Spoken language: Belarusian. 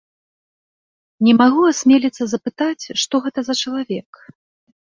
Не магу асмеліцца запытаць, што гэта за чалавек?